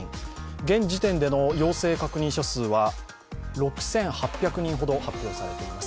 現時点での陽性確認者数は６８００人ほど発表されています。